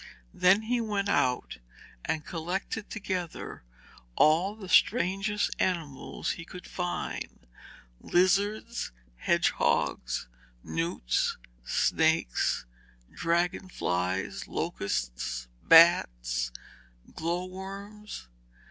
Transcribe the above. Then he went out and collected together all the strangest animals he could find lizards, hedgehogs, newts, snakes, dragon flies, locusts, bats, and glow worms.